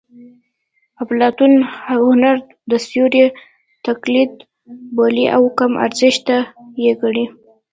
اپلاتون هنر د سیوري تقلید بولي او کم ارزښته یې ګڼي